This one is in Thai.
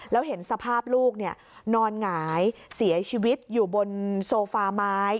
แล้วเห็นสภาพลูกนอนหงายเสียชีวิตอยู่บนโซฟาไม้